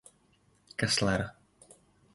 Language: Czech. Kessler.